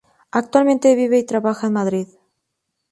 Actualmente vive y trabaja en Madrid.